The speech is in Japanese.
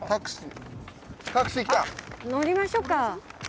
乗りましょうか。